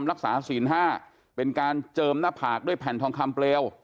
รักษาศีล๕เป็นการเจิมหน้าผากด้วยแผ่นทองคำเปลว